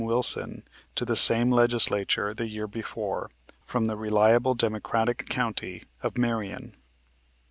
Wilson, to the same Legislature the year before, from the reliable Democratic county of Marion.